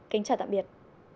kính chào tạm biệt